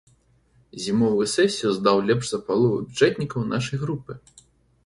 Зімовую сесію здаў лепш за палову бюджэтнікаў нашай групы.